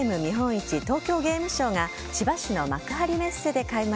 市東京ゲームショウが千葉市の幕張メッセで開幕。